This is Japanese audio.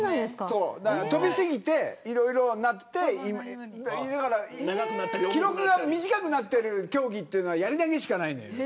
飛び過ぎて、いろいろあって記録が短くなってる競技はやり投げしかないんだよ。